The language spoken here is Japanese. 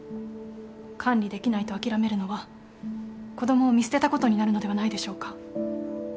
管理できないと諦めるのは子供を見捨てたことになるのではないでしょうか。